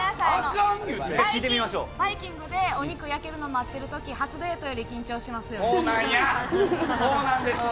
バイキングでお肉が焼けるのを待ってる時、初デートより緊張しますよね。